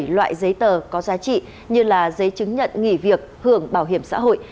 bảy loại giấy tờ có giá trị như giấy chứng nhận nghỉ việc hưởng bảo hiểm xã hội